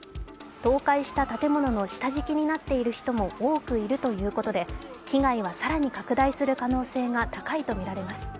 倒壊した建物の下敷きになっている人も多くいるということで被害は更に拡大する可能性が高いとみられます。